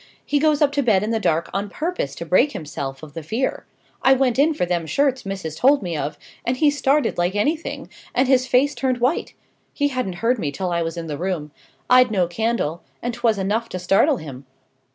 he goes up to bed in the dark on purpose to break himself of the fear. I went in for them shirts missis told me of, and he started like anything, and his face turned white. He hadn't heard me till I was in the room; I'd no candle, and 'twas enough to startle him.